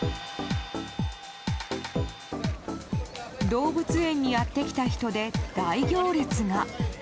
動物園にやってきた人で大行列が。